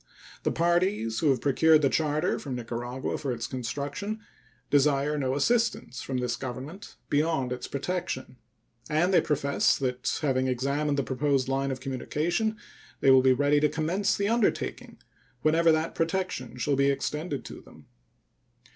The parties who have procured the charter from Nicaragua for its construction desire no assistance from this Government beyond its protection; and they profess that, having examined the proposed line of communication, they will be ready to commence the undertaking whenever that protection shall be extended to them.